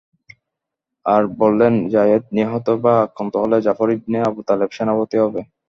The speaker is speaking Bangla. আর বললেন, যায়েদ নিহত বা আক্রান্ত হলে জাফর ইবনে আবু তালেব সেনাপতি হবে।